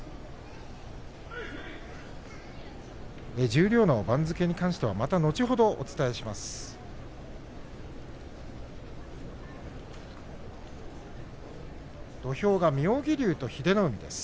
十両の番付に関してはまた後ほどお伝えします。